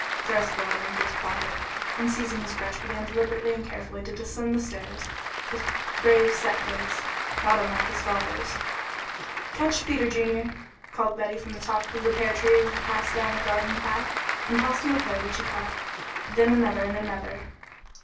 He thrust the letter into his pocket, and seizing his crutch began deliberately and carefully to descend the stairs, with grave, set face, not unlike his father's. "Catch, Peter Junior," called Betty from the top of the pear tree as he passed down the garden path, and tossed him a pear which he caught, then another and another.